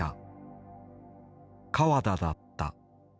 河田だった。